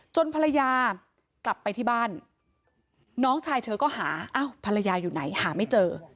ภรรยากลับไปที่บ้านน้องชายเธอก็หาอ้าวภรรยาอยู่ไหนหาไม่เจอ